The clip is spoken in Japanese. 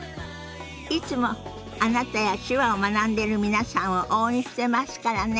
いつもあなたや手話を学んでる皆さんを応援してますからね。